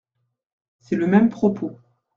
C’est le même propos.